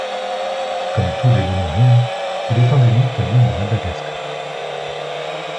Comme tous les lémuriens, il est endémique à l'île de Madagascar.